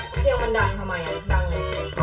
กระเทียงมันดังทำไมดัง